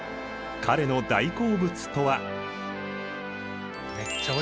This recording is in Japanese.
彼の大好物とは？